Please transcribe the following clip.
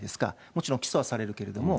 もちろん、起訴はされるけれども。